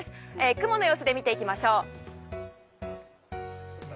雲の様子で見ていきましょう。